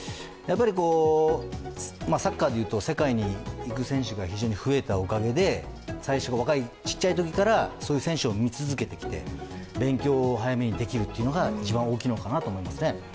サッカーで言うと、世界に行く選手が非常に増えたおかげで、小さいときからそういう選手を見続けてきて勉強を早めにできるというのが一番大きいのかなと思いますね。